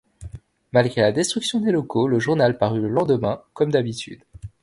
Malgré la destruction des locaux, le journal parut le lendemain, comme d'habitude.